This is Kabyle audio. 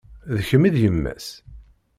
D kemm i d yemma-s?